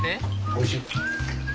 おいしい！